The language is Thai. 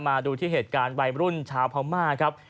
มาดูที่เหตุการณ์วัยรุ่นชาวพม่าครับ